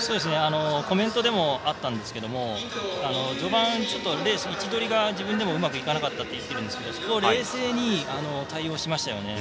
コメントでもあったんですけど序盤、ちょっとレース位置取りがうまくいかなかったと言っているんですけどそこを冷静に対応しましたよね。